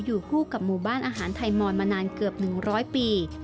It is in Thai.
อยู่คู่กับหมู่บ้านอาหารไทยมอนมานานเกือบ๑๐๐ปี